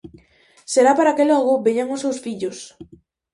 Será para que logo veñan os seus fillos.